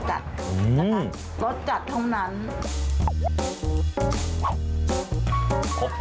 รสจัดเท่านั้น